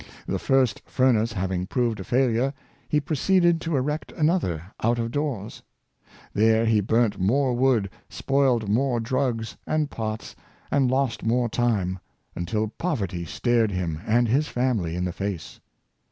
The first furnace having proved a failure, he proceeded to erect another out of doors. Search for the Enamel, 195 There he burnt more wood, spoiled more drugs and pots, and lost more time, until poverty stared him and his family in the face.